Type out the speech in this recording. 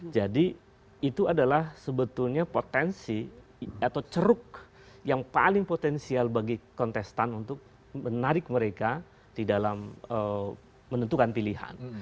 jadi itu adalah sebetulnya potensi atau ceruk yang paling potensial bagi kontestan untuk menarik mereka di dalam menentukan pilihan